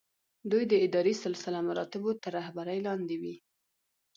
دوی د اداري سلسله مراتبو تر رهبرۍ لاندې وي.